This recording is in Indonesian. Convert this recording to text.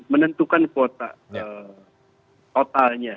menentukan kuota totalnya